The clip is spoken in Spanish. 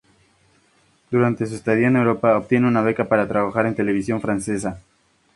Durante su estadía en Europa, obtiene una beca para trabajar en televisión francesa.